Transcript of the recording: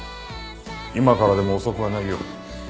今からでも遅くはないよ。